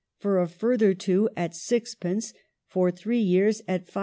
for a further two at 6d., for three years at 5d.